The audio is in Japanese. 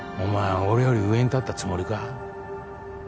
俺より上に立ったつもりか？